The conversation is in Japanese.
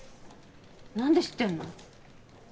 何で知ってんの？